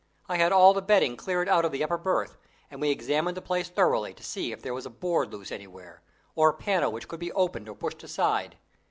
I had all the bedding cleared out of the upper berth, and we examined the place thoroughly to see if there was a board loose anywhere, or a panel which could be opened or pushed aside.